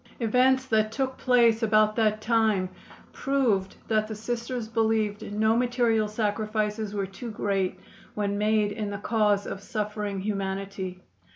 Events that took place about that time proved that the Sisters believed no material sacrifices were too great when made in the cause of suffering humanity.